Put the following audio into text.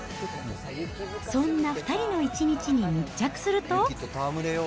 そんな２人の１日に密着すると。